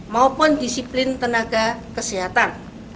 maupun disiplin tenaga kesehatan